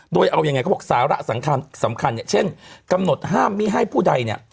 โดยเอายังไงเขาบอกสาระสำคัญสำคัญเนี่ยเช่นกำหนดห้ามไม่ให้ผู้ใดเนี่ย